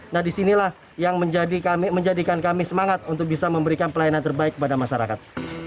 nah disinilah yang menjadikan kami semangat untuk bisa memberikan pelayanan terbaik kepada masyarakat